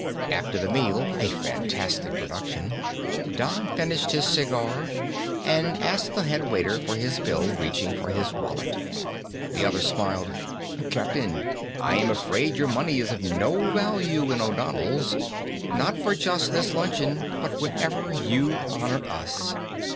After the meal, a fantastic production, Don finished his cigar and asked the head waiter for his bill, reaching for his wallet. The other smiled. "Captain, I am afraid your money is of no value in O'Donnell's, not for just this luncheon but whenever you honor us."